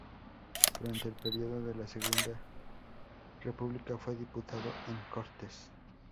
Durante el período de la Segunda República fue diputado en Cortes.